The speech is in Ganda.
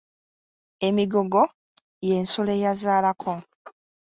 Emigogo y’ensolo eyazaalako.